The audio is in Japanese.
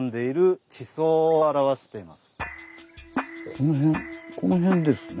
この辺この辺ですね。